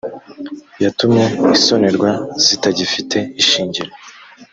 yatumye isonerwa zitagifite ishingiro